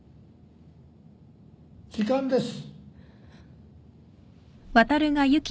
・時間です。